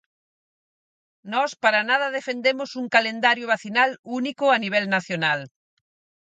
Nós, para nada defendemos un calendario vacinal único a nivel nacional.